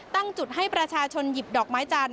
ตั้งจุดให้ประชาชนหยิบดอกไม้จันท